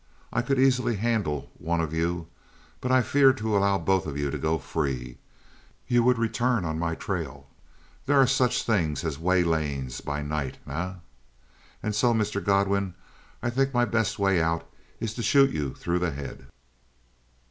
I could easily handle one of you. But I fear to allow both of you to go free. You would return on my trail; there are such things as waylayings by night, eh? And so, Mr. Godwin, I think my best way out is to shoot you through the head.